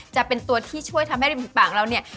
จะเป็นตัวที่ช่วยทำให้ริมฝีปากเราเนี่ย